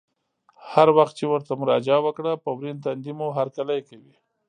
هر وخت چې ورته مراجعه وکړه په ورین تندي مو هرکلی کوي.